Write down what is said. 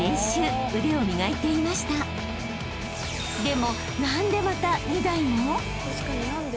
［でも］